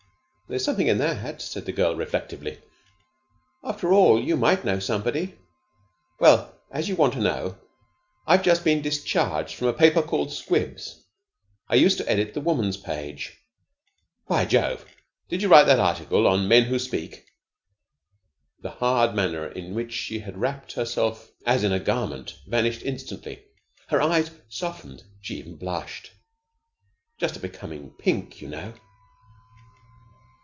"There's something in that," said the girl reflectively. "After all, you might know somebody. Well, as you want to know, I have just been discharged from a paper called 'Squibs.' I used to edit the Woman's Page." "By Jove, did you write that article on 'Men Who Speak '?" The hard manner in which she had wrapped herself as in a garment vanished instantly. Her eyes softened. She even blushed. Just a becoming pink, you know!